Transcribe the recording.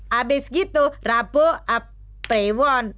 habis gitu rabu prewon